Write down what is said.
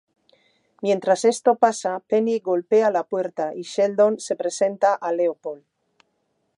Mientras esto pasa, Penny golpea la puerta y Sheldon le presenta a Leopold.